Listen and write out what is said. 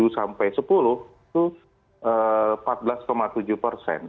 tujuh sampai sepuluh itu empat belas tujuh persen